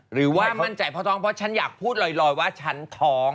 หรือว่ามั่นใจเพราะท้องเพราะฉันอยากพูดลอยว่าฉันท้อง